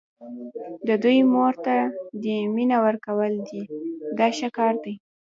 د دوی مور ته دې مینه ورکول دي دا ښه کار دی.